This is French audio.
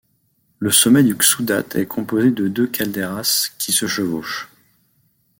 Le sommet du Ksoudatch est composé de deux caldeiras qui se chevauchent.